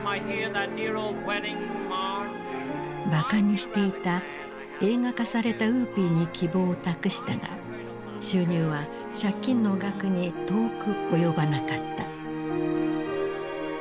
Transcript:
ばかにしていた映画化された「ウーピー」に希望を託したが収入は借金の額に遠く及ばなかった。